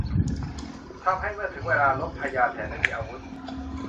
ทำให้เมื่อถึงเวลารบ พญาแถนไม่มีอาวุธ